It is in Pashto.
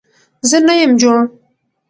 زه نه يم جوړ